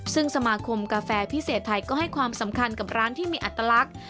ซึ่งสมาคมกาแฟพิเศษไทยก็ให้ความสำคัญกับร้านที่มีอัตลักษณ์